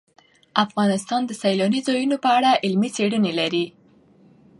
افغانستان د سیلانی ځایونه په اړه علمي څېړنې لري.